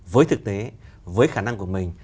với thực tế với khả năng của mình